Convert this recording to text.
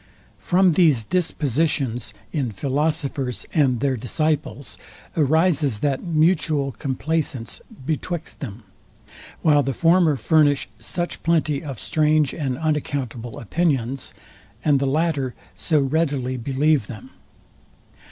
From these dispositions in philosophers and their disciples arises that mutual complaisance betwixt them; while the former furnish such plenty of strange and unaccountable opinions, and the latter so readily believe them.